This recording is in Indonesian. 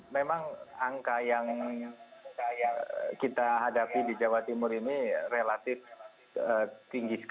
memang angka yang kita hadapi di jawa timur ini relatif tinggi